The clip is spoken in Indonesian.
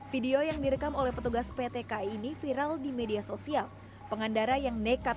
video yang direkam oleh petugas pt kai ini viral di media sosial tiktok saat petugas pt kai berangkat kereta api di depan rumahnya